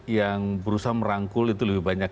yang berusaha merangkul itu lebih banyak